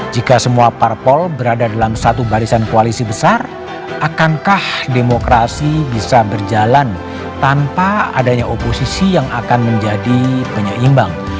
jika semua parpol berada dalam satu barisan koalisi besar akankah demokrasi bisa berjalan tanpa adanya oposisi yang akan menjadi penyeimbang